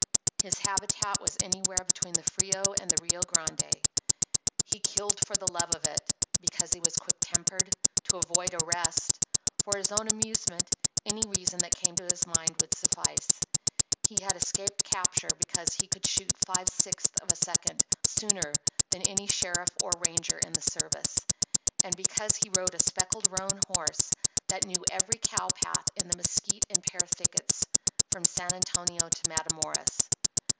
His habitat was anywhere between the Frio and the Rio Grande. He killed for the love of it—because he was quick tempered— to avoid arrest—for his own amusement—any reason that came to his mind would suffice. He had escaped capture because he could shoot five sixths of a second sooner than any sheriff or ranger in the service, and because he rode a speckled roan horse that knew every cow path in the mesquite and pear thickets from San Antonio to Matamoras.